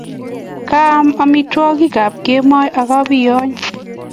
Kaam amitwogik ap kemoi akopiyony